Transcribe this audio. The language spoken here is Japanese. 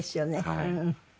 はい。